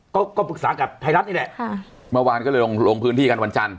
ก็ก็ปรึกษากับไทยรัฐนี่แหละค่ะเมื่อวานก็เลยลงลงพื้นที่กันวันจันท